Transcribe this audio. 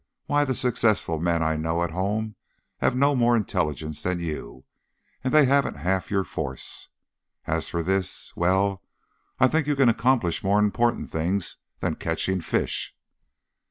Why, the successful men I know at home have no more intelligence than you, and they haven't half your force. As for this well, I think you can accomplish more important things than catching fish."